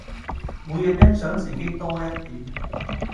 每日欣賞自己多一點